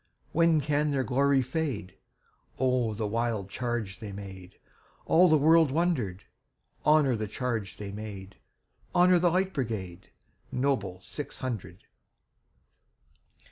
When can their glory fade?O the wild charge they made! All the world wonder'd. Honor the charge they made! Honor the Light Brigade, Noble six hundred!